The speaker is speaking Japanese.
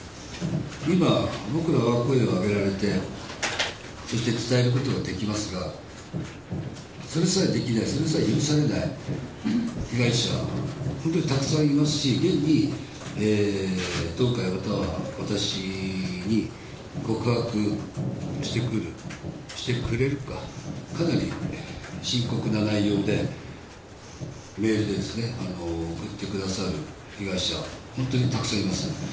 今、僕らは声を上げられて、伝えることはできますが、それさえ許されない被害者、本当にたくさんいますし、現に当会または私に告白してくる、してくれるか、かなり深刻な内容で、メールで送ってくださる被害者、本当にたくさんいます。